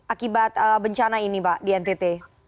akibat bencana ini pak di ntt